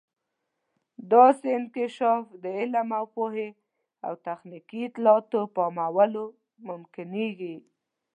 داسې انکشاف د علم او پوهې او تخنیکي اطلاعاتو په عامولو ممکنیږي.